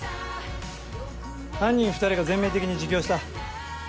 犯人２人が全面的に自供した。